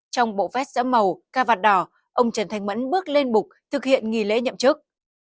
trong bộ vét dẫm màu ca vạt đỏ ông trần thanh mẫn bước lên bục thực hiện nghị lễ nhậm chức